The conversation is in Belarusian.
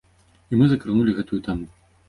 І мы закранулі гэтую тэму.